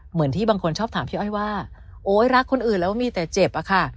เหมือนที่บางคนชอบถามพี่อ้อยว่าโอ๊ยรักคนอื่นแล้วมีแต่เจ็บอะค่ะ